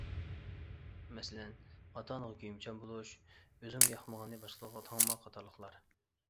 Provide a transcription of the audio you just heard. مەسىلەن، «ئاتا ئانىغا كۆيۈمچان بولۇش»، «ئۆزۈڭگە ياقمىغاننى باشقىلارغا تاڭما» قاتارلىقلار.